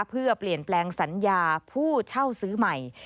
เพื่อเปลี่ยนแปลงสัญญาผู้เช่าซื้อใหม่